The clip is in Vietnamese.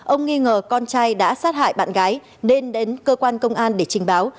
ông nghi ngờ con trai đã sát hại bạn gái nên đến cơ quan công an để trình báo